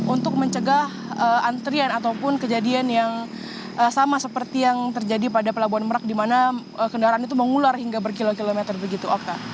untuk mencegah antrian ataupun kejadian yang sama seperti yang terjadi pada pelabuhan merak di mana kendaraan itu mengular hingga berkilo kilometer begitu akta